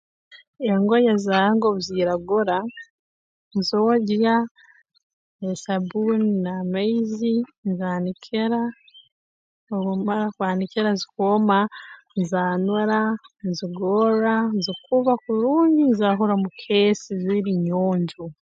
Engoye zange obu ziiragura nzoogya n'esabbuunu n'amaizi nzaanikira obu mmara kwanikira zikooma nzaanura nzigorra nzikuba kurungi nzaahura mu keesi ziri nyonjo